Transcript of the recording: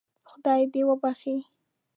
خدای دې وبخښي.